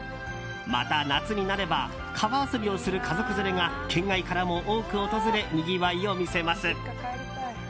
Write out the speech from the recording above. また、夏になれば川遊びをする家族連れが県外からも多く訪れにぎわいを見せます。